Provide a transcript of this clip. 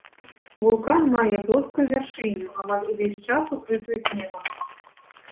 Вулкан мае плоскую вяршыню, амаль увесь час укрытую снегам.